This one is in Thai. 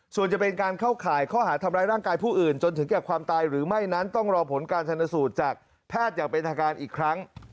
ส่วนจะเป็นการเข้าข่ายข้อหาทำร้ายร่างกายผู้อื่นจนถึงแก่ความตายหรือไม่นั้นต้องรอผลการชนสูตรจากแพทย์อย่างเป็นทางการอีกครั้ง